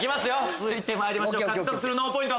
続いてまいります獲得する脳ポイント